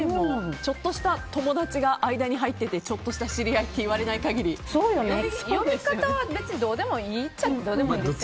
ちょっとした友達が間に入っててちょっとした知り合いって呼び方は別にどうでもいいっちゃどうでもいい。